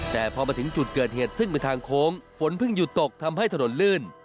แต่พอมาถึงจุดเกิดเหตุซึ่งเป็นทางโค้งฝนเพิ่งหยุดตกทำให้ถนนลื่น